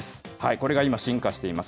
これが今、進化しています。